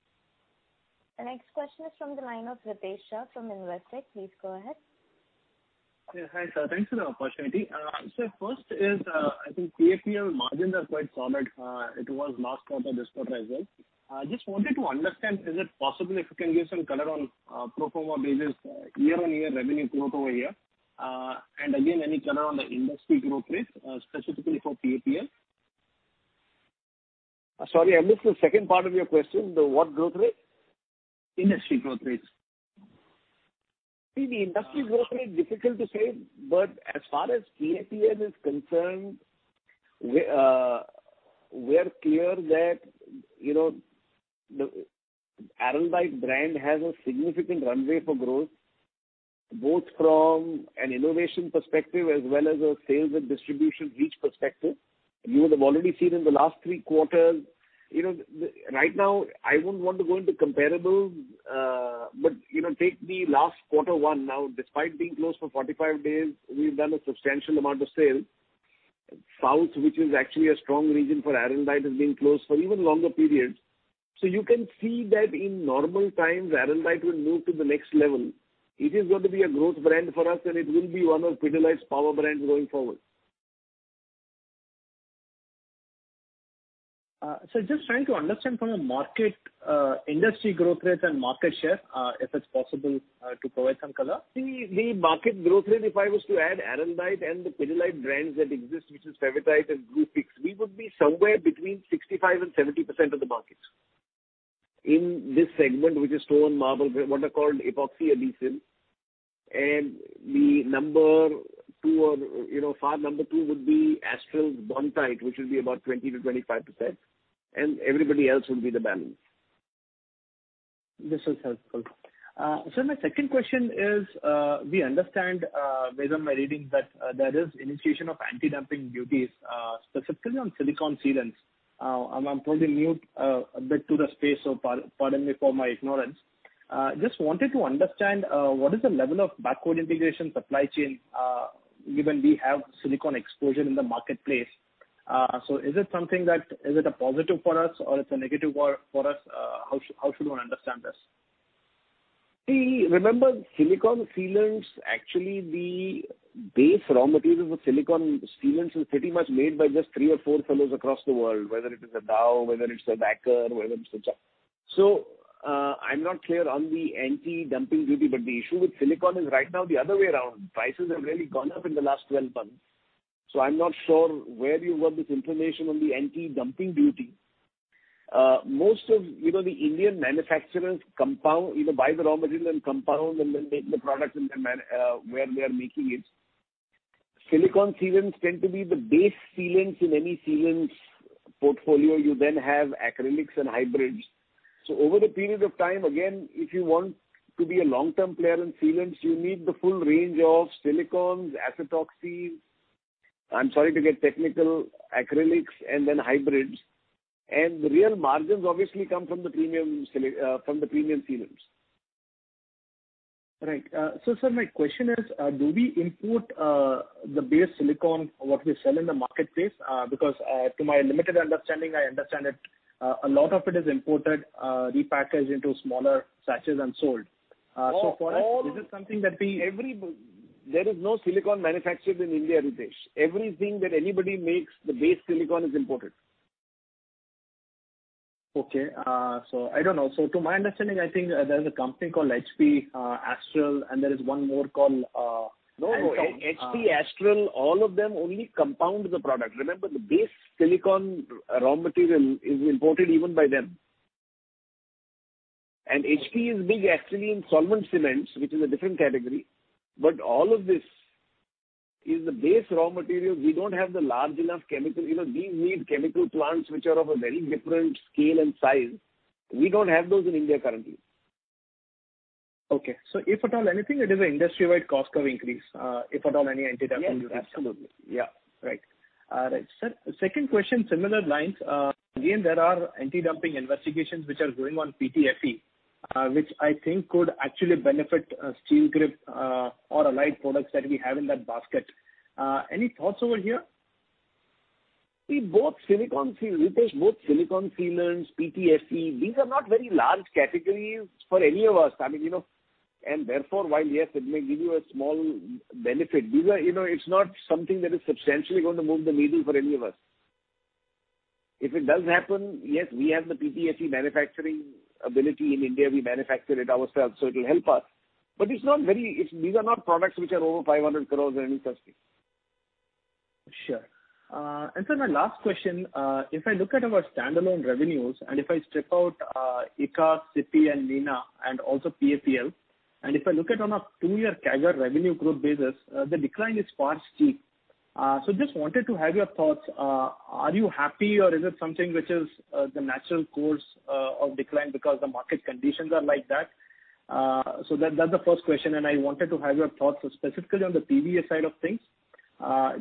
The next question is from the line of Ritesh Shah from Investec. Please go ahead. Yes. Hi, Sir. Thanks for the opportunity. Sir, first is, I think PAPL margins are quite solid. It was last quarter, this quarter as well. I just wanted to understand, is it possible if you can give some color on pro forma basis year-on-year revenue growth over here? Again, any color on the industry growth rate, specifically for PAPL. Sorry, I missed the second part of your question. The what growth rate? Industry growth rates. See, the industry growth rate, difficult to say. As far as PAPL is concerned, we're clear that the Araldite brand has a significant runway for growth, both from an innovation perspective as well as a sales and distribution reach perspective. You would have already seen in the last three quarters. Right now, I wouldn't want to go into comparables. Take the last quarter one now, despite being closed for 45 days, we've done a substantial amount of sale. South, which is actually a strong region for Araldite, has been closed for even longer periods. You can see that in normal times, Araldite will move to the next level. It is going to be a growth brand for us, and it will be one of Pidilite's power brands going forward. Sir, just trying to understand from a market industry growth rate and market share, if it's possible to provide some color? See, the market growth rate, if I was to add Araldite and the Pidilite brands that exist, which is Fevikwik and Glufix, we would be somewhere between 65% and 70% of the market. In this segment, which is stone marble, what are called epoxy adhesives. The number two would be Astral Bondtite, which will be about 20%-25%, and everybody else will be the balance. This is helpful. Sir, my second question is, we understand, based on my reading, that there is initiation of anti-dumping duties, specifically on silicone sealants. I'm probably new a bit to the space, so pardon me for my ignorance. Just wanted to understand, what is the level of backward integration supply chain, given we have silicone exposure in the marketplace. Is it a positive for us or it's a negative for us? How should one understand this? See, remember, silicone sealants, actually the base raw material for silicone sealants is pretty much made by just three or four fellows across the world, whether it is a Dow, whether it's a Wacker. I'm not clear on the anti-dumping duty, but the issue with silicone is right now the other way around. Prices have really gone up in the last 12 months. I'm not sure where you got this information on the anti-dumping duty. Most of the Indian manufacturers buy the raw material and compound and then make the product where they are making it. Silicone sealants tend to be the base sealants in any sealants portfolio. You then have acrylics and hybrids. Over the period of time, again, if you want to be a long-term player in sealants, you need the full range of silicones, acetoxys, I'm sorry to get technical, acrylics, and then hybrids. The real margins obviously come from the premium sealants. Right. Sir, my question is, do we import the base silicone, what we sell in the marketplace? To my limited understanding, I understand that a lot of it is imported, repackaged into smaller satchels and sold. There is no silicone manufactured in India, Ritesh. Everything that anybody makes, the base silicone is imported. Okay. I don't know. To my understanding, I think there's a company called HP Adhesives, and there is one more. No. HP Adhesives, all of them only compound the product. Remember, the base silicone raw material is imported even by them. HP is big actually in solvent cements, which is a different category. All of this is the base raw material. We don't have the large enough chemical. These need chemical plants which are of a very different scale and size. We don't have those in India currently. Okay. If at all, anything that is an industry-wide cost curve increase, if at all any anti-dumping- Yes, absolutely. Yeah. Right. Sir, second question, similar lines. Again, there are anti-dumping investigations which are going on PTFE, which I think could actually benefit Steelgrip or allied products that we have in that basket. Any thoughts over here? Ritesh, both silicone sealants, PTFE, these are not very large categories for any of us. Therefore, while, yes, it may give you a small benefit, it's not something that is substantially going to move the needle for any of us. If it does happen, yes, we have the PTFE manufacturing ability in India. We manufacture it ourselves, so it'll help us. These are not products which are over 500 crores or any such thing. Sure. Sir, my last question, if I look at our standalone revenues and if I strip out ICA, CIPY, and Nina and also PAPL, and if I look at on a two-year CAGR revenue growth basis, the decline is quite steep. Just wanted to have your thoughts. Are you happy or is it something which is the natural course of decline because the market conditions are like that? That's the first question. I wanted to have your thoughts specifically on the PVA side of things.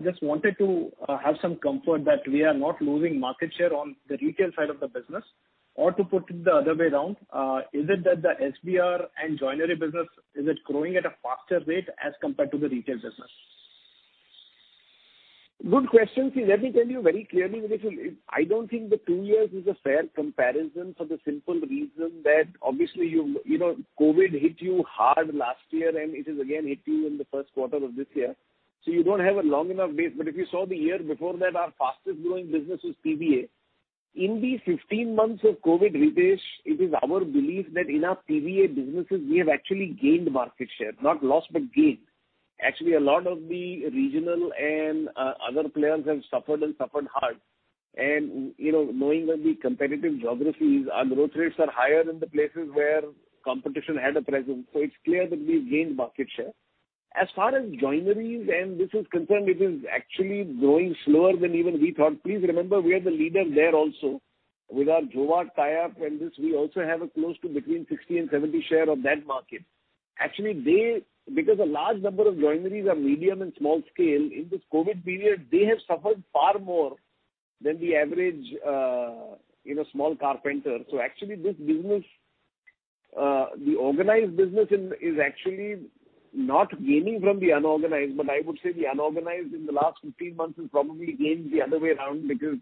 Just wanted to have some comfort that we are not losing market share on the retail side of the business. To put it the other way around, is it that the SBR and joinery business, is it growing at a faster rate as compared to the retail business? Good question. See, let me tell you very clearly, Ritesh. I don't think the two years is a fair comparison for the simple reason that obviously, COVID hit you hard last year, and it has again hit you in the first quarter of this year. You don't have a long enough base. If you saw the year before that, our fastest growing business was PVA. In these 15 months of COVID, Ritesh, it is our belief that in our PVA businesses, we have actually gained market share, not lost, but gained. Actually, a lot of the regional and other players have suffered and suffered hard. Knowing that the competitive geographies, our growth rates are higher in the places where competition had a presence. It's clear that we've gained market share. As far as joineries and this is concerned, it is actually growing slower than even we thought. Please remember, we are the leader there also with our Jowat, KAYAP and this, we also have a close to between 60% and 70% share of that market. Actually, because a large number of joineries are medium and small scale, in this COVID period, they have suffered far more than the average small carpenter. Actually, the organized business is actually not gaining from the unorganized, but I would say the unorganized in the last 15 months has probably gained the other way around because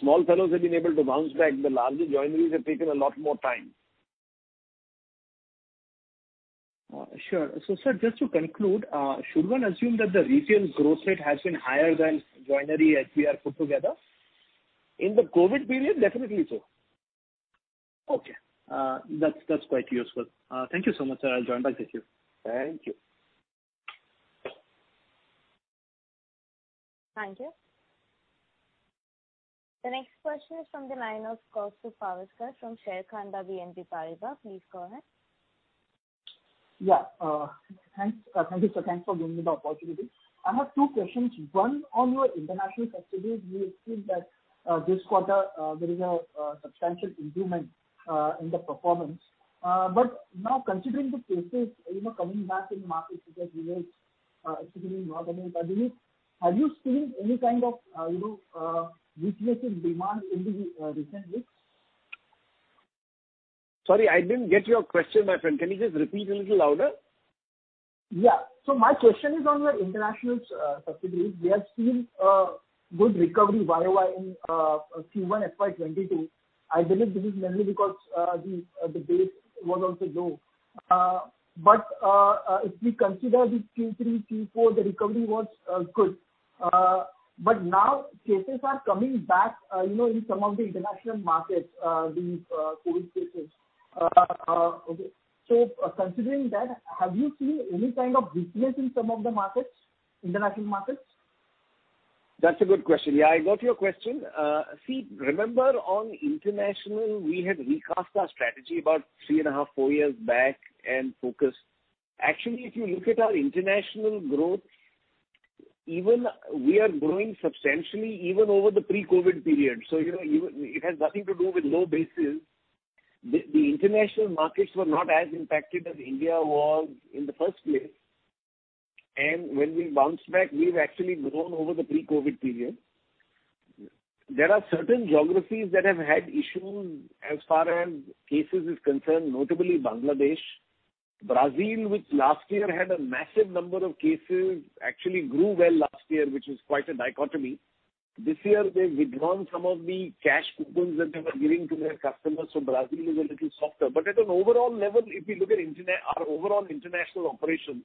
small fellows have been able to bounce back. The larger joineries have taken a lot more time. Sir, just to conclude, should one assume that the retail growth rate has been higher than joinery as we are put together? In the COVID period, definitely so. Okay. That's quite useful. Thank you so much, Sir. I'll join back with you. Thank you. Thank you. The next question is from the line of Kaustubh Pawaskar from Sharekhan by BNP Paribas. Please go ahead. Yeah. Thank you, Sir. Thanks for giving me the opportunity. I have two questions. On your international subsidiaries, we have seen that this quarter there is a substantial improvement in the performance. Now considering the cases coming back in markets such as U.S., especially North America, I believe, have you seen any kind of weakness in demand in the recent weeks? Sorry, I didn't get your question, my friend. Can you just repeat a little louder? Yeah. My question is on your international subsidiaries. We have seen a good recovery YoY in Q1 FY 2022. I believe this is mainly because the base was also low. If we consider the Q3, Q4, the recovery was good. Now cases are coming back in some of the international markets, these COVID cases. Considering that, have you seen any kind of weakness in some of the international markets? That's a good question. Yeah, I got your question. See, remember on international, we had recast our strategy about 3.5, four years back and focused. Actually, if you look at our international growth, we are growing substantially even over the pre-COVID period. It has nothing to do with low bases. The international markets were not as impacted as India was in the first place. When we bounced back, we've actually grown over the pre-COVID period. There are certain geographies that have had issues as far as cases is concerned, notably Bangladesh. Brazil, which last year had a massive number of cases, actually grew well last year, which is quite a dichotomy. This year, they've withdrawn some of the cash coupons that they were giving to their customers, Brazil is a little softer. At an overall level, if you look at our overall international operations,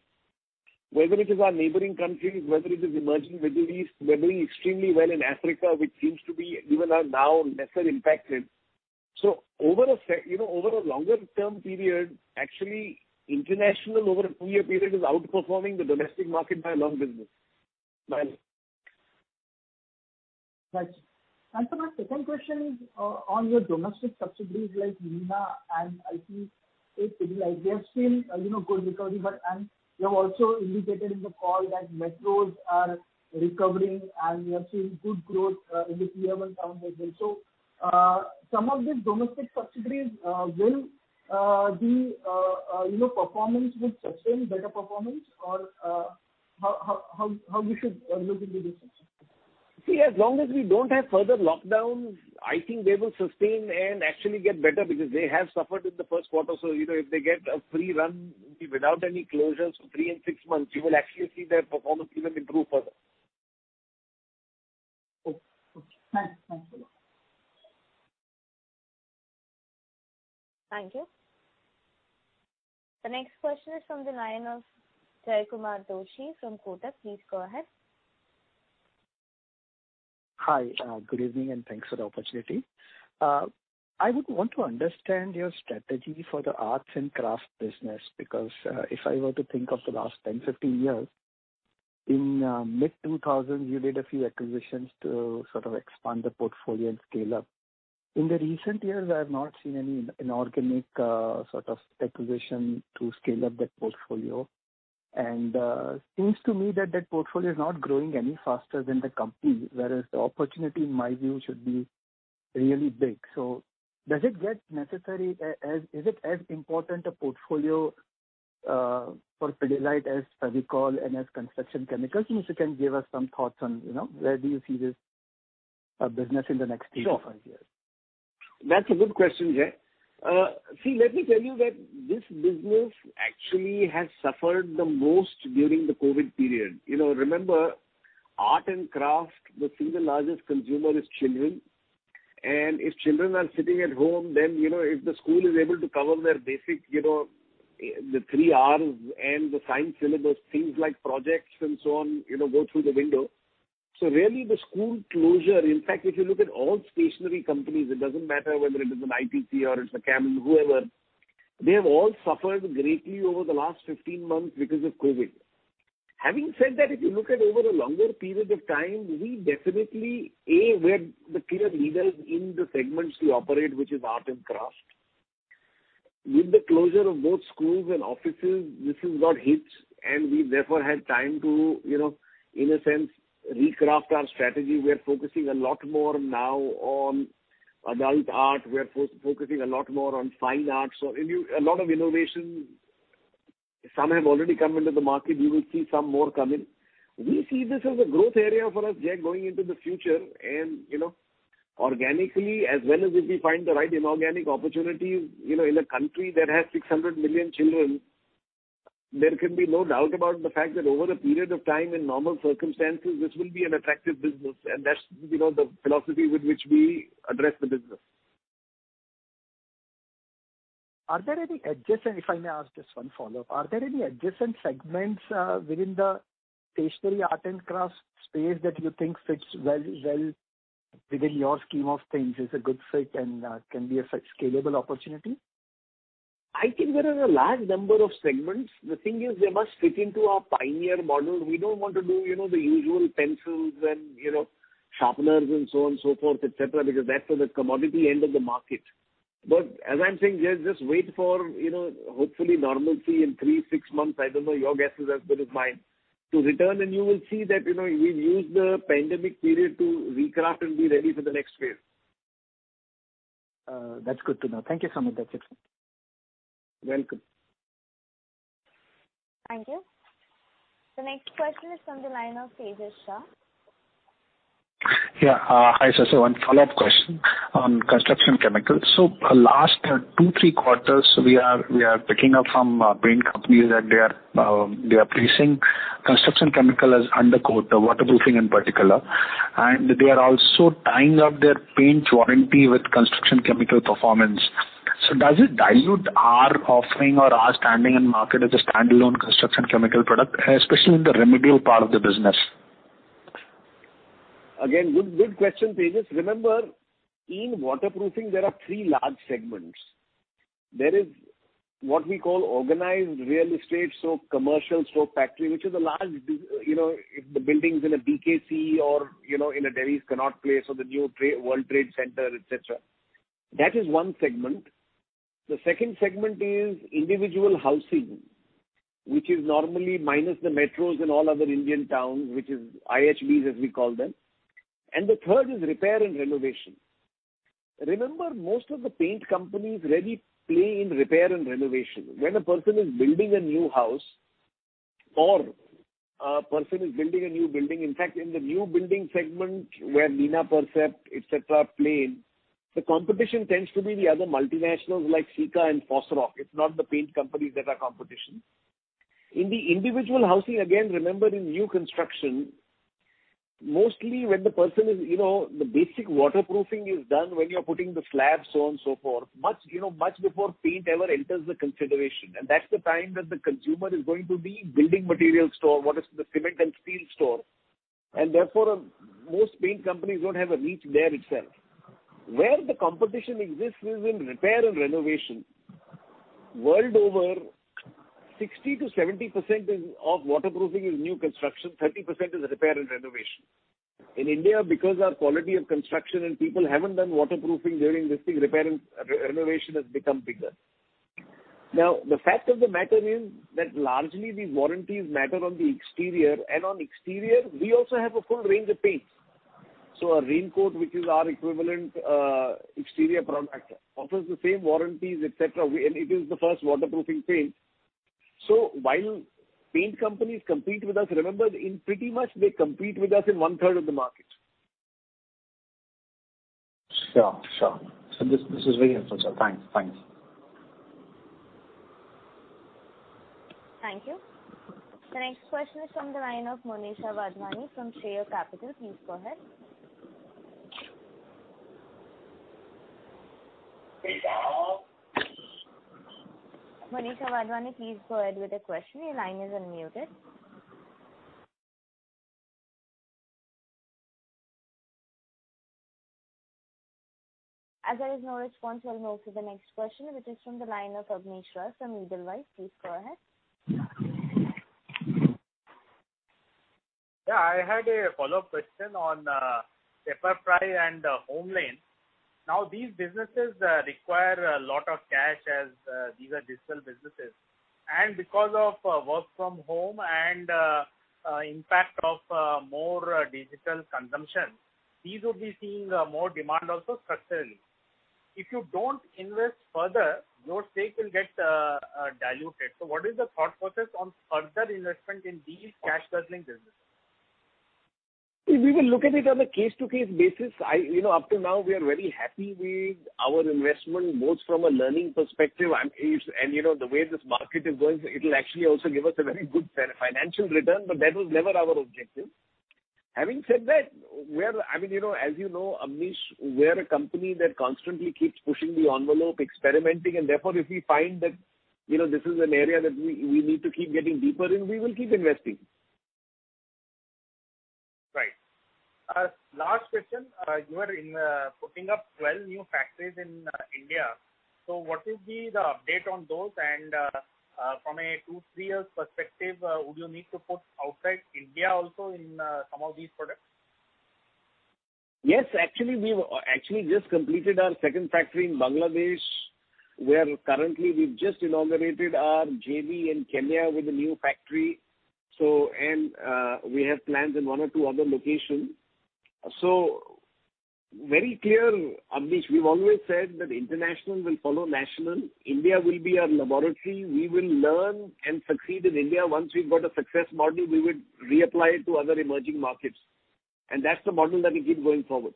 whether it is our neighboring countries, whether it is emerging Middle East, we are doing extremely well in Africa, which seems to be even now lesser impacted. Over a longer term period, actually international over a two-year period is outperforming the domestic market by a long distance. Right. Sir, my second question is on your domestic subsidiaries like Nina Percept and PAPL. We have seen good recovery, and you have also indicated in the call that metros are recovering, and we are seeing good growth in the tier one towns as well. Some of these domestic subsidiaries, will the performance sustain better performance? Or how we should look into this? See, as long as we don't have further lockdown, I think they will sustain and actually get better because they have suffered in the first quarter. If they get a free run without any closures for three and six months, you will actually see their performance even improve further. Okay. Thanks a lot. Thank you. The next question is from the line of Jaykumar Doshi from Kotak. Please go ahead. Hi. Good evening, and thanks for the opportunity. I would want to understand your strategy for the arts and crafts business. If I were to think of the last 10, 15 years, in mid-2000, you did a few acquisitions to sort of expand the portfolio and scale up. In the recent years, I have not seen any inorganic sort of acquisition to scale up that portfolio. Seems to me that that portfolio is not growing any faster than the company, whereas the opportunity in my view should be. Really big. Is it as important a portfolio for Pidilite as Fevicol and as construction chemicals? If you can give us some thoughts on where do you see this business in the next three-five years? Sure. That's a good question, Jay. Let me tell you that this business actually has suffered the most during the COVID period. Remember, art and craft, the single largest consumer is children. If children are sitting at home, if the school is able to cover their basic three Rs and the science syllabus, things like projects and so on go through the window. Really the school closure, in fact, if you look at all stationery companies, it doesn't matter whether it is an ITC or it's a Camlin, whoever, they have all suffered greatly over the last 15 months because of COVID. Having said that, if you look at over a longer period of time, we definitely, A, we're the clear leader in the segments we operate, which is art and craft. With the closure of both schools and offices, this has got hit. We therefore had time to, in a sense, recraft our strategy. We're focusing a lot more now on adult art. We're focusing a lot more on fine art. A lot of innovation, some have already come into the market, you will see some more come in. We see this as a growth area for us, Jay, going into the future. Organically, as well as if we find the right inorganic opportunity, in a country that has 600 million children, there can be no doubt about the fact that over a period of time in normal circumstances, this will be an attractive business. That's the philosophy with which we address the business. If I may ask just one follow-up. Are there any adjacent segments within the stationery art and craft space that you think fits well within your scheme of things, is a good fit, and can be a scalable opportunity? I think there are a large number of segments. The thing is they must fit into our pioneer model. We don't want to do the usual pencils and sharpeners and so on and so forth, et cetera, because that's at the commodity end of the market. As I'm saying, Jay, just wait for hopefully normalcy in three, six months, I don't know, your guess is as good as mine, to return, and you will see that we've used the pandemic period to recraft and be ready for the next phase. That's good to know. Thank you so much. That's it. Welcome. Thank you. The next question is from the line of Tejas Shah. Yeah. Hi, Sir. One follow-up question on construction chemicals. Last two, three quarters, we are picking up from paint companies that they are placing construction chemicals undercoat, the waterproofing in particular, and they are also tying up their paint warranty with construction chemical performance. Does it dilute our offering or our standing in market as a standalone construction chemical product, especially in the remedial part of the business? Good question, Tejas. Remember, in waterproofing, there are three large segments. There is what we call organized real estate, commercial store factory, which is a large building in a BKC or in a Delhi's Connaught Place or the new World Trade Center, et cetera. That is one segment. The second segment is individual housing, which is normally minus the metros and all other Indian towns, which is IHBs, as we call them. The third is repair and renovation. Remember, most of the paint companies really play in repair and renovation. When a person is building a new house or a person is building a new building. In fact, in the new building segment where Neoperl, et cetera, play in, the competition tends to be the other multinationals like Sika and Fosroc. It is not the paint companies that are competition. In the individual housing, again, remember in new construction, mostly when the person the basic waterproofing is done when you're putting the slab, so on and so forth, much before paint ever enters the consideration. That's the time that the consumer is going to the building material store, what is the cement and steel store. Therefore, most paint companies don't have a reach there itself. Where the competition exists is in repair and renovation. World over, 60%-70% of waterproofing is new construction, 30% is repair and renovation. In India, because our quality of construction and people haven't done waterproofing during this thing, repair and renovation has become bigger. The fact of the matter is that largely these warranties matter on the exterior. On exterior, we also have a full range of paints. Our Raincoat, which is our equivalent exterior product, offers the same warranties, et cetera. It is the first waterproofing paint. While paint companies compete with us, remember, pretty much they compete with us in 1/3 of the market. Sure. This is very helpful, Sir. Thanks. Thank you. The next question is from the line of Monisha Wadhwani from Share Capital. Please go ahead. Monisha Wadhwani, please go ahead with your question. Your line is unmuted. As there is no response, I'll move to the next question, which is from the line of Abneesh Roy from Edelweiss. Please go ahead. Yeah, I had a follow-up question on Pepperfry and HomeLane. Now, these businesses require a lot of cash as these are digital businesses. Because of work from home and impact of more digital consumption, these will be seeing more demand also structurally. If you don't invest further, your stake will get diluted. What is the thought process on further investment in these cash-guzzling businesses? We will look at it on a case-to-case basis. Up to now, we are very happy with our investment, both from a learning perspective, and the way this market is going, it'll actually also give us a very good financial return, but that was never our objective. Having said that, as you know, Amish, we're a company that constantly keeps pushing the envelope, experimenting, and therefore, if we find that this is an area that we need to keep getting deeper in, we will keep investing. Right. Last question. You are putting up 12 new factories in India. What is the update on those? From a two, three years perspective, would you need to put outside India also in some of these products? Actually, we've actually just completed our second factory in Bangladesh, where currently we've just inaugurated our JV in Kenya with a new factory. We have plans in one or two other locations. Very clear, Amish, we've always said that international will follow national. India will be our laboratory. We will learn and succeed in India. Once we've got a success model, we would reapply it to other emerging markets, that's the model that we keep going forward.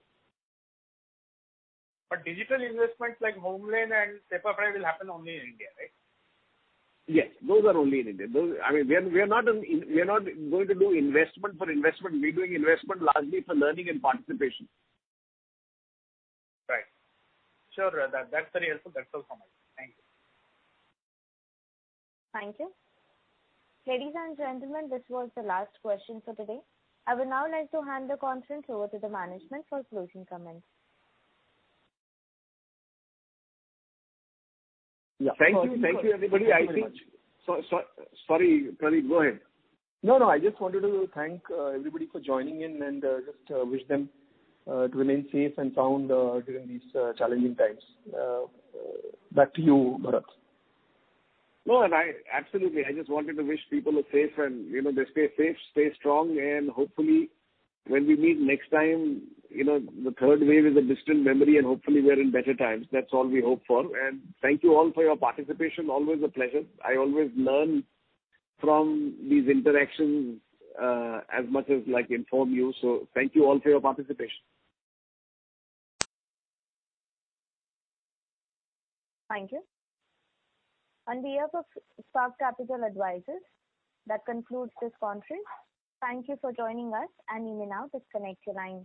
Digital investments like HomeLane and Pepperfry will happen only in India, right? Yes, those are only in India. We are not going to do investment for investment. We're doing investment largely for learning and participation. Right. Sure. That's very helpful. That's all from my side. Thank you. Thank you. Ladies and gentlemen, this was the last question for today. I would now like to hand the conference over to the management for closing comments. Thank you, everybody. Sorry, Pradip, go ahead. No, I just wanted to thank everybody for joining in and just wish them to remain safe and sound during these challenging times. Back to you, Bharat. No, absolutely. I just wanted to wish people a safe and they stay safe, stay strong, hopefully when we meet next time, the third wave is a distant memory, hopefully, we're in better times. That's all we hope for. Thank you all for your participation. Always a pleasure. I always learn from these interactions as much as inform you. Thank you all for your participation. Thank you. On behalf of Spark Capital Advisors, that concludes this conference. Thank you for joining us. You may now disconnect your lines.